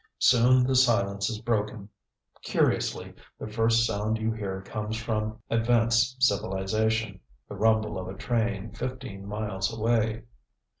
Soon the silence is broken. Curiously, the first sound you hear comes from advanced civilization, the rumble of a train fifteen miles away.